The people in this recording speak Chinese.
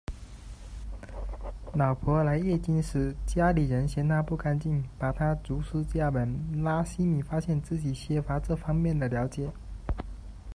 老婆来月经时，家里人嫌她不干净，把她逐出家门，拉希米发现自己缺乏这方面的了解。